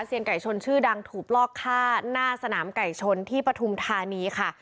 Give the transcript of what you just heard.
ไก่ชนชื่อดังถูกลอกฆ่าหน้าสนามไก่ชนที่ปฐุมธานีค่ะ